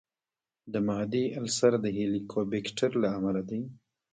د معدې السر د هیليکوبیکټر له امله دی.